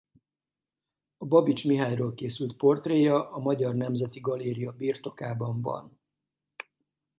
A Babits Mihályról készült portréja a Magyar Nemzeti Galéria birtokában van.